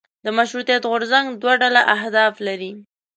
د مشروطیت غورځنګ دوه ډوله اهداف لرل.